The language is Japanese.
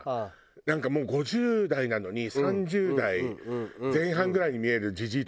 なんかもう５０代なのに３０代前半ぐらいに見えるジジイとかいない？